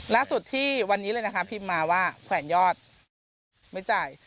ล่าสุดที่วันนี้เลยนะคะพิมพ์มาว่าแขวนยอดไม่จ่าย